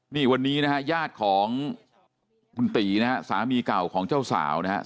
นี่วันนี้นะฮะญาติของคุณตีนะฮะสามีเก่าของเจ้าสาวนะฮะ